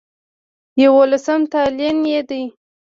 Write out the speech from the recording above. يوولسم تلين يې دی